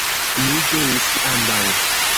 Mi ĝuis ambaŭ.